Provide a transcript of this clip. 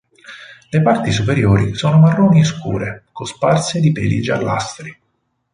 Le parti superiori sono marroni scure, cosparse di peli giallastri.